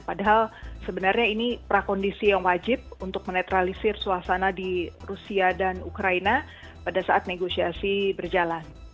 padahal sebenarnya ini prakondisi yang wajib untuk menetralisir suasana di rusia dan ukraina pada saat negosiasi berjalan